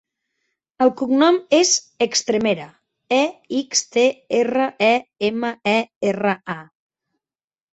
El cognom és Extremera: e, ics, te, erra, e, ema, e, erra, a.